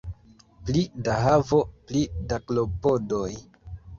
Pli da havo, pli da klopodoj.